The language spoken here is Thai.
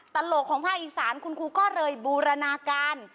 ตลกของภาคอีสานคุณครูก็เลยบูรณาการ